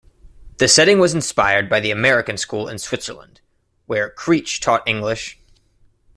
The setting was inspired by The American School In Switzerland, where Creech taught English.